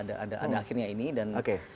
akhirnya ini dan